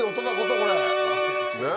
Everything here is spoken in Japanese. これねぇ！